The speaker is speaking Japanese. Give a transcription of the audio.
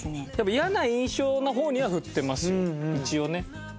イヤな印象の方には振ってますよ一応ね。